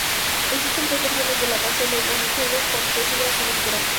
Existen tres versiones de la canción de Bonnie Tyler con tres duraciones diferentes.